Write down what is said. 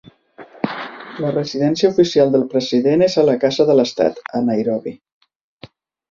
La residència oficial del president és a la Casa de l'Estat, a Nairobi.